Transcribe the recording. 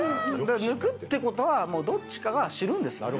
抜くってことはどっちかが死ぬんですよ。